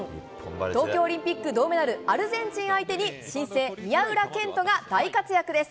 東京オリンピック銅メダル、アルゼンチン相手に、新星、宮浦健人が大活躍です。